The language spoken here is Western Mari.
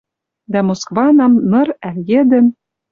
Дӓ Москванам ныр ӓль йӹдӹм